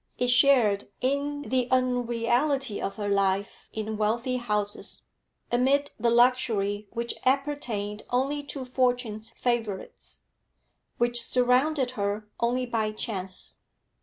It shared in the unreality of her life in wealthy houses, amid the luxury which appertained only to fortune's favourites, which surrounded her only by chance.